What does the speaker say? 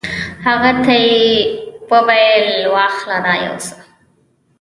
هغه ته یې وویل: واخله دا یوسه.